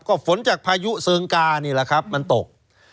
ก็ฝนจากพายุเซิงกานี่แหละครับมันตก